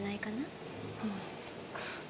ああそっか。